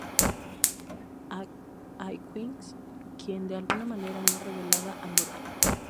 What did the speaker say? Hawkins quien de alguna manera no revelada ha muerto.